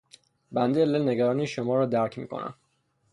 بنده علل نگرانی شما را درک میکنم.